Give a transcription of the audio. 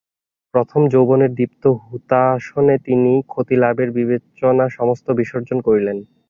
প্রথম যৌবনের দীপ্ত হুতাশনে তিনি ক্ষতিলাভের বিবেচনা সমস্ত বিসর্জন করিলেন।